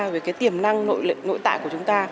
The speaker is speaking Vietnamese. và cái tiềm năng nội tại của chúng ta